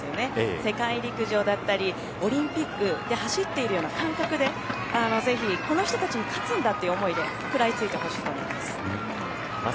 世界陸上だったりオリンピックで走っている感覚でぜひ、この人たちに勝つんだという思いで食らいついてほしいと思います。